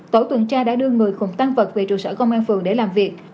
tổ tuần tra đã đưa người cùng tăng vật về trụ sở công an phường để làm việc